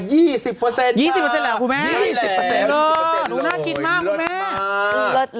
๒๐หรอครูแม่๒๐เลยน่ากินมากครูแม่เลิศมาก